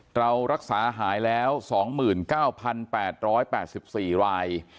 เรารักษาหายแล้ว๒๙๘๘๔ราย